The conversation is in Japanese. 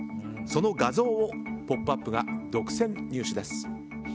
その画像を「ポップＵＰ！」が独占入手です。